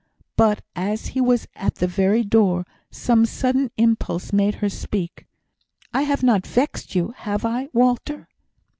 But as he was at the very door, some sudden impulse made her speak: "I have not vexed you, have I, Walter?"